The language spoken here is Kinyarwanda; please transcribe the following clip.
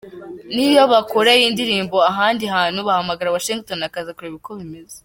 N’iyo bakoreye indirimbo ahandi hantu bahamagara Washington akaza kureba uko bimeze.